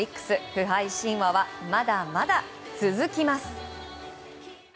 不敗神話はまだまだ続きます。